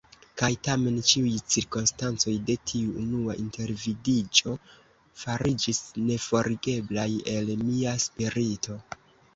Kaj tamen ĉiuj cirkonstancoj de tiu unua intervidiĝo fariĝis neforigeblaj el mia spirito.